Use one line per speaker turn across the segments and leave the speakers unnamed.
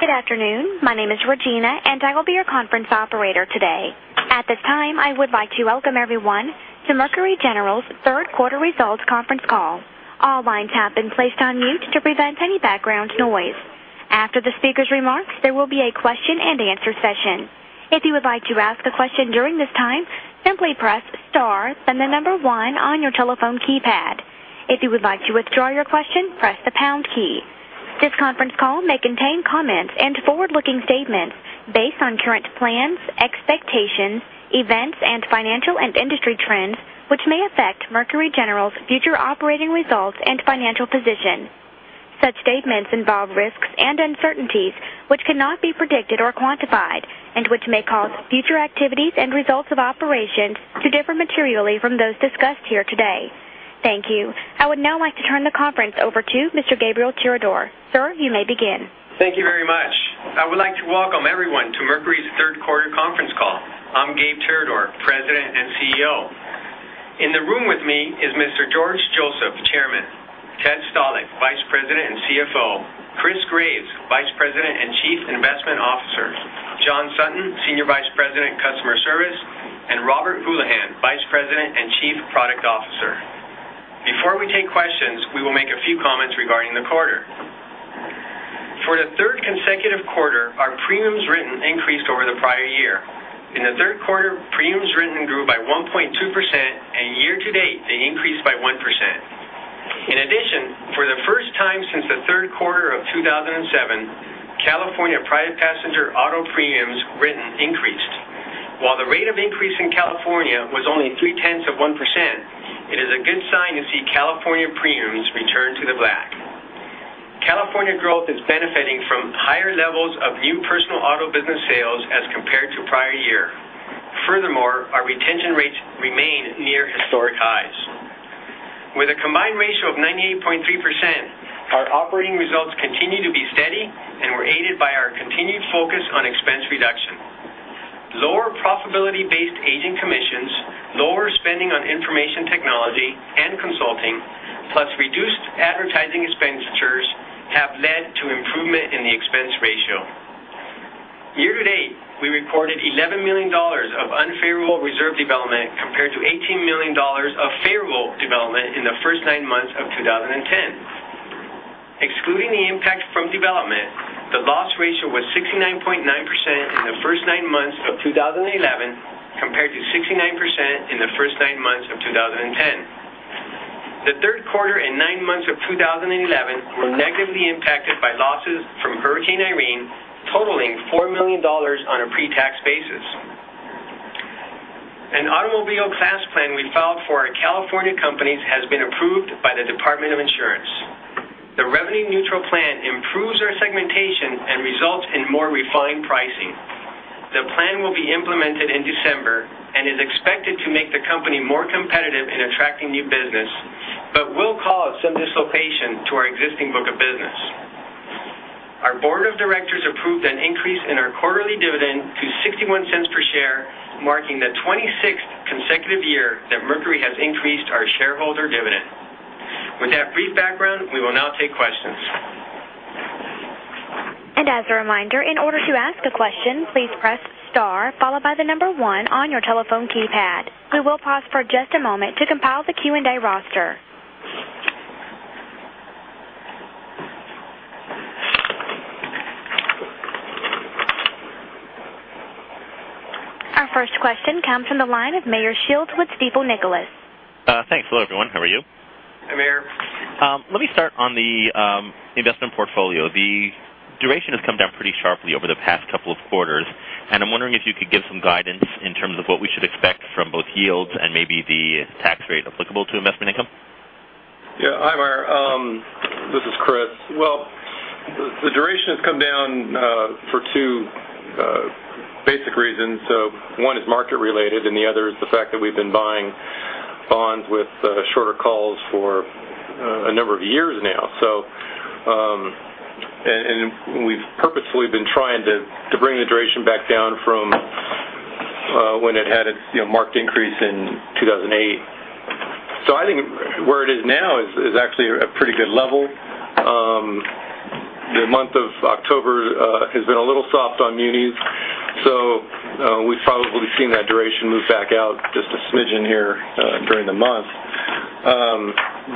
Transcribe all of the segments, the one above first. Good afternoon. My name is Regina, and I will be your conference operator today. At this time, I would like to welcome everyone to Mercury General's third quarter results conference call. All lines have been placed on mute to prevent any background noise. After the speakers' remarks, there will be a question and answer session. If you would like to ask a question during this time, simply press star and the number one on your telephone keypad. If you would like to withdraw your question, press the pound key. This conference call may contain comments and forward-looking statements based on current plans, expectations, events, and financial and industry trends, which may affect Mercury General's future operating results and financial position. Such statements involve risks and uncertainties which cannot be predicted or quantified and which may cause future activities and results of operations to differ materially from those discussed here today. Thank you. I would now like to turn the conference over to Mr. Gabriel Tirador. Sir, you may begin.
Thank you very much. I would like to welcome everyone to Mercury's third quarter conference call. I'm Gabe Tirador, President and CEO. In the room with me is Mr. George Joseph, Chairman, Ted Stalick, Vice President and CFO, Chris Graves, Vice President and Chief Investment Officer, John Sutton, Senior Vice President of Customer Service, and Robert Houlihan, Vice President and Chief Product Officer. Before we take questions, we will make a few comments regarding the quarter. For the third consecutive quarter, our premiums written increased over the prior year. In the third quarter, premiums written grew by 1.2%, and year-to-date, they increased by 1%. In addition, for the first time since the third quarter of 2007, California private passenger auto premiums written increased. While the rate of increase in California was only three-tenths of 1%, it is a good sign to see California premiums return to the black. California growth is benefiting from higher levels of new personal auto business sales as compared to prior year. Furthermore, our retention rates remain near historic highs. With a combined ratio of 98.3%, our operating results continue to be steady and were aided by our continued focus on expense reduction. Lower profitability-based agent commissions, lower spending on information technology and consulting, plus reduced advertising expenditures have led to improvement in the expense ratio. Year-to-date, we reported $11 million of unfavorable reserve development compared to $18 million of favorable development in the first nine months of 2010. Excluding the impact from development, the loss ratio was 69.9% in the first nine months of 2011 compared to 69% in the first nine months of 2010. The third quarter and nine months of 2011 were negatively impacted by losses from Hurricane Irene totaling $4 million on a pre-tax basis. An automobile class plan we filed for our California companies has been approved by the Department of Insurance. The revenue-neutral plan improves our segmentation and results in more refined pricing. The plan will be implemented in December and is expected to make the company more competitive in attracting new business but will cause some dislocation to our existing book of business. Our board of directors approved an increase in our quarterly dividend to $0.61 per share, marking the 26th consecutive year that Mercury has increased our shareholder dividend. With that brief background, we will now take questions.
As a reminder, in order to ask a question, please press star followed by the number one on your telephone keypad. We will pause for just a moment to compile the Q&A roster. Our first question comes from the line of Meyer Shields with Stifel, Nicolaus.
Thanks. Hello, everyone. How are you?
Hi, Meyer.
Let me start on the investment portfolio. The duration has come down pretty sharply over the past couple of quarters, and I'm wondering if you could give some guidance in terms of what we should expect from both yields and maybe the tax rate applicable to investment income.
Yeah. Hi, Meyer. This is Chris. Well, the duration has come down for two basic reasons. One is market related, and the other is the fact that we've been buying bonds with shorter calls for a number of years now. We've purposefully been trying to bring the duration back down from when it had its marked increase in 2008. I think where it is now is actually a pretty good level. The month of October has been a little soft on munis, so we've probably seen that duration move back out just a smidgen here during the month.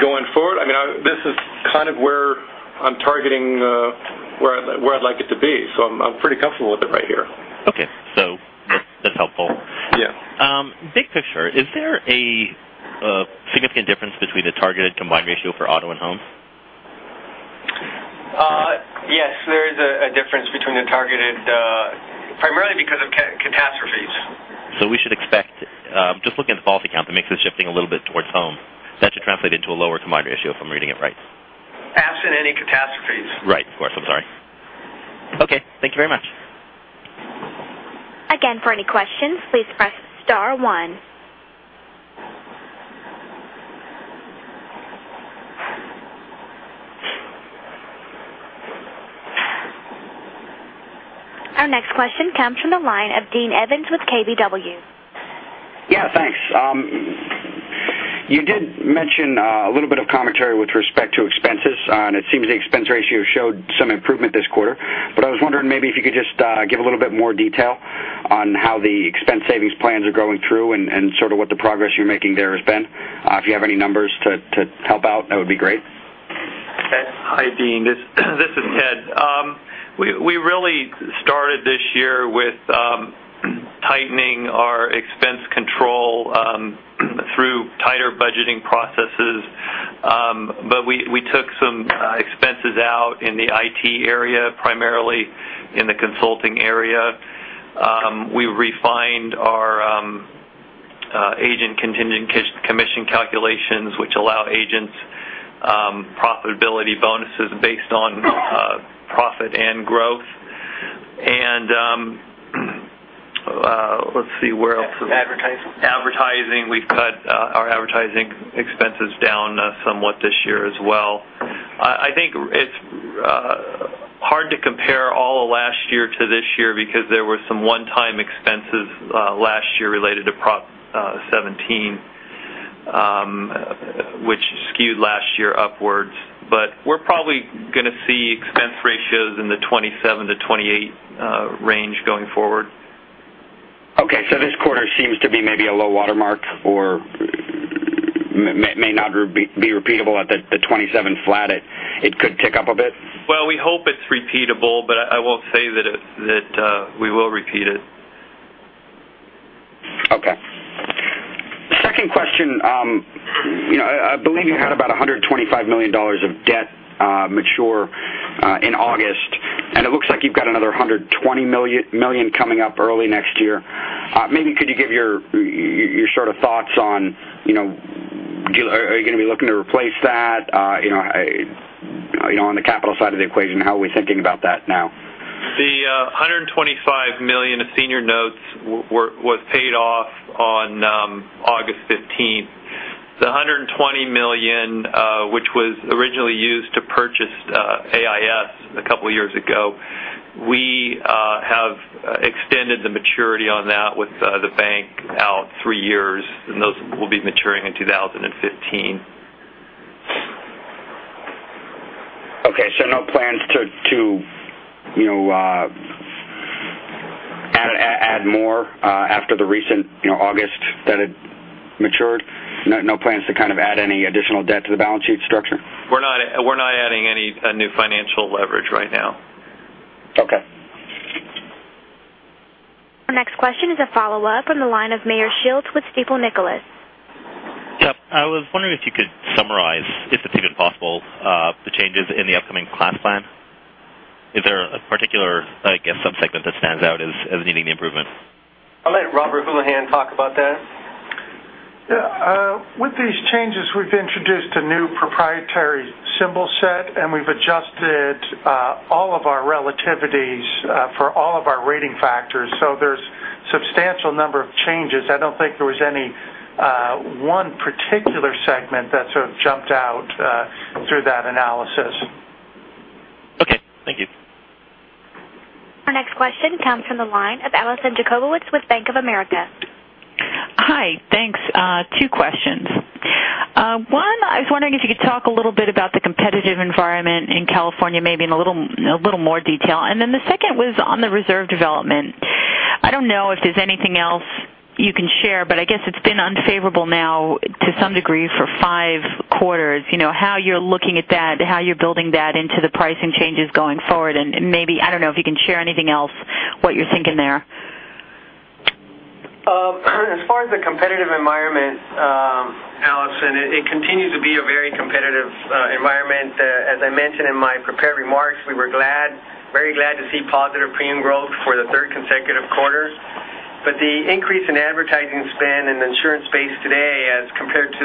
Going forward, this is kind of where I'm targeting where I'd like it to be. I'm pretty comfortable with it right here.
Okay. That's helpful.
Yeah.
Big picture, is there a significant difference between the targeted combined ratio for auto and home?
Yes, there is a difference between the targeted, primarily because of catastrophes.
We should expect, just looking at the policy count, the mix is shifting a little bit towards home. That should translate into a lower combined ratio if I'm reading it right.
Absent any catastrophes.
Right. Of course. I'm sorry. Okay. Thank you very much.
For any questions, please press star one. Our next question comes from the line of Dean Evans with KBW.
Yeah, thanks. You did mention a little bit of commentary with respect to expenses, it seems the expense ratio showed some improvement this quarter. I was wondering maybe if you could just give a little bit more detail on how the expense savings plans are going through and sort of what the progress you're making there has been. If you have any numbers to help out, that would be great.
Ted. Hi, Dean. This is Ted. We really started this year with tightening our expense control through tighter budgeting processes. We took some expenses out in the IT area, primarily in the consulting area. We refined our agent contingent commission calculations, which allow agents profitability bonuses based on profit and growth. Let's see where else.
Advertising.
Advertising. We've cut our advertising expenses down somewhat this year as well. I think it's hard to compare all of last year to this year because there were some one-time expenses last year related to Proposition 17, which skewed last year upwards. We're probably going to see expense ratios in the 27-28 range going forward.
Okay, this quarter seems to be maybe a low watermark or may not be repeatable at the 27 flat. It could tick up a bit?
Well, we hope it's repeatable, I won't say that we will repeat it.
Okay. Second question, I believe you had about $125 million of debt mature in August, it looks like you've got another $120 million coming up early next year. Maybe could you give your sort of thoughts on, are you going to be looking to replace that on the capital side of the equation? How are we thinking about that now?
The $125 million of senior notes was paid off on August 15th. The $120 million, which was originally used to purchase AIS a couple of years ago, we have extended the maturity on that with the bank out three years, those will be maturing in 2015.
Okay, no plans to add more after the recent August that it matured? No plans to kind of add any additional debt to the balance sheet structure?
We're not adding any new financial leverage right now.
Okay.
Our next question is a follow-up on the line of Meyer Shields with Stifel, Nicolaus.
Yep. I was wondering if you could summarize, if it's even possible, the changes in the upcoming class plan. Is there a particular, I guess, subsegment that stands out as needing the improvement?
I'll let Robert Houlihan talk about that.
Yeah. With these changes, we've introduced a new proprietary symbol set, and we've adjusted all of our relativities for all of our rating factors. There's substantial number of changes. I don't think there was any one particular segment that sort of jumped out through that analysis. Okay. Thank you.
Our next question comes from the line of Alison Jacobowitz with Bank of America.
Hi. Thanks. Two questions. One, I was wondering if you could talk a little bit about the competitive environment in California, maybe in a little more detail. The second was on the reserve development. I don't know if there's anything else you can share, but I guess it's been unfavorable now to some degree for five quarters. How you're looking at that, how you're building that into the pricing changes going forward, and maybe, I don't know if you can share anything else, what you're thinking there.
As far as the competitive environment, Alison, it continues to be a very competitive environment. As I mentioned in my prepared remarks, we were very glad to see positive premium growth for the third consecutive quarter. The increase in advertising spend in the insurance space today as compared to,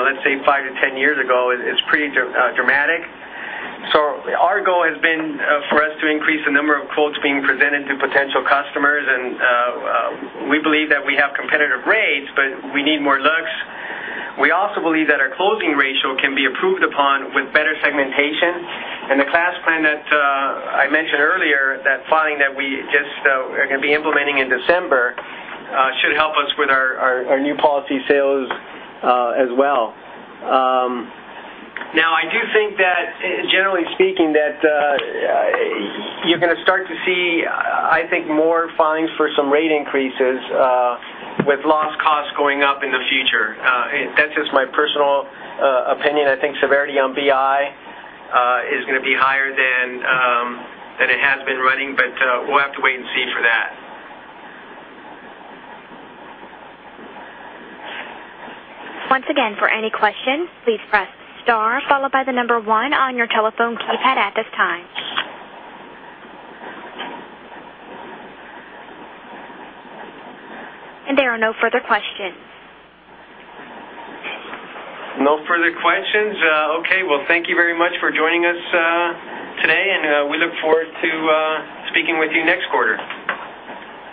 let's say, five to 10 years ago, is pretty dramatic. Our goal has been for us to increase the number of quotes being presented to potential customers, and we believe that we have competitive rates, but we need more looks. We also believe that our closing ratio can be improved upon with better segmentation. The class plan that I mentioned earlier, that filing that we just are going to be implementing in December should help us with our new policy sales as well. I do think that generally speaking, that you're going to start to see, I think, more filings for some rate increases with loss costs going up in the future. That's just my personal opinion. I think severity on BI is going to be higher than it has been running, but we'll have to wait and see for that.
Once again, for any questions, please press star followed by the number 1 on your telephone keypad at this time. There are no further questions.
No further questions. Okay. Thank you very much for joining us today, and we look forward to speaking with you next quarter.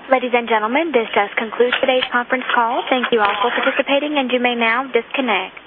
Ladies and gentlemen, this does conclude today's conference call. Thank you all for participating, and you may now disconnect.